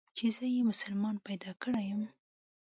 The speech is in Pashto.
چې زه يې مسلمان پيدا کړى يم.